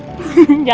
jangan ya pak